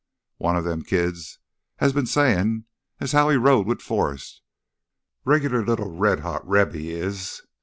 "One of them kids had been sayin' as how he rode with Forrest, regular li'l red hot Reb, he is.